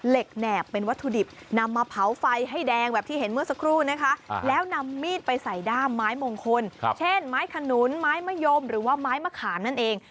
แล้วนำมีดไปใส่ด้ามไม้มงคลเช่นไม้ขนุนไม้มะโยมหรือว่าไม้มะขานั่นเอง